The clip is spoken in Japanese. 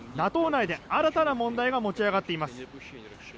ＮＡＴＯ内で新たな問題が持ち上がっています。